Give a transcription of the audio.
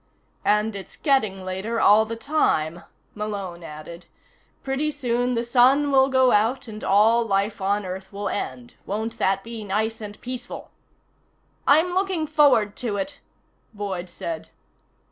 "And it's getting later all the time," Malone added. "Pretty soon the sun will go out and all life on earth will end. Won't that be nice and peaceful?" "I'm looking forward to it," Boyd said.